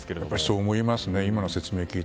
そう思いますね。